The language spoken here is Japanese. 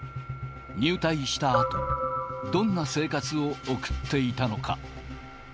入隊したあと、どんな生活を送っていたのか。